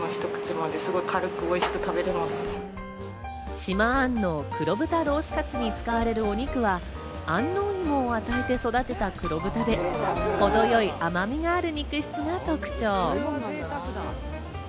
島安納黒豚ロースカツに使われるお肉は、安納芋を与えて育てた黒豚で程よい甘みがある肉質が特徴。